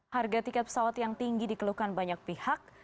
harga tiket pesawat yang tinggi dikeluhkan banyak pihak